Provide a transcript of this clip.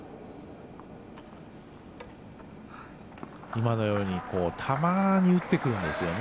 今のようにたまに打ってくるんですよね。